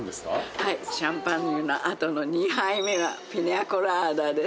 はいシャンパンのあとの２杯目はピナコラーダです